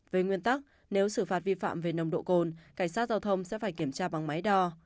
về nguyên tắc nếu xử phạt vi phạm về nồng độ cồn cảnh sát giao thông sẽ phải kiểm tra bằng máy đo